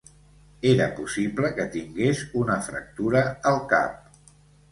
Era possible que tingués una fractura al cap.